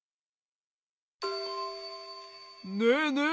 ねえねえ。